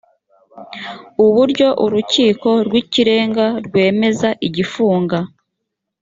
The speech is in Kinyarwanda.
uburyo urukiko rw ikirenga rwemeza igifunga